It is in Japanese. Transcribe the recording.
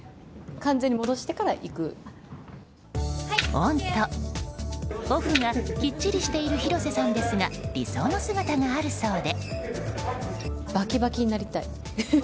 オンとオフがきっちりしてる広瀬さんですが理想の姿があるそうで。